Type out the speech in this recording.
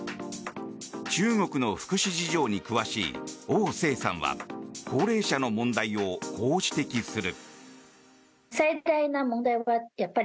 中国の福祉事情に詳しいオウ・セイさんは高齢者の問題をこう指摘する。